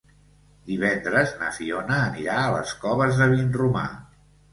Divendres na Fiona anirà a les Coves de Vinromà.